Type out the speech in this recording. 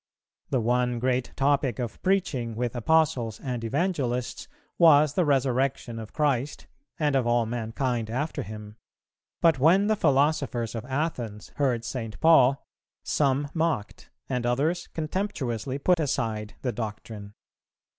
The one great topic of preaching with Apostles and Evangelists was the Resurrection of Christ and of all mankind after Him; but when the philosophers of Athens heard St. Paul, "some mocked," and others contemptuously put aside the doctrine.